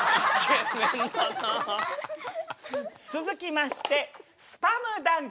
続きましてスパムダンク。